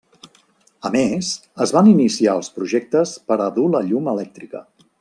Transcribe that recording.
A més, es van iniciar els projectes per a dur la llum elèctrica.